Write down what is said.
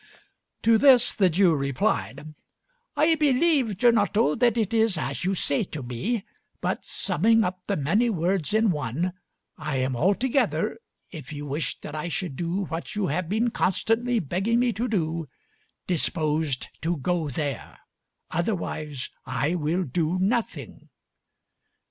To this the Jew replied: "I believe, Gianotto, that it is as you say to me; but summing up the many words in one, I am altogether, if you wish that I should do what you have been constantly begging me to do, disposed to go there; otherwise I will do nothing."